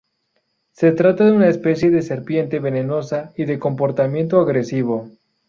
Se trata de una especie de serpiente venenosa y de comportamiento agresivo.